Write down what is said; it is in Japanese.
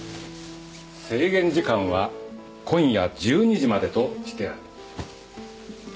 制限時間は今夜１２時までとしてある。